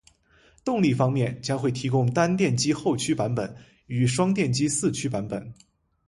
动力方面，将会提供单电机后驱版本与双电机四驱版本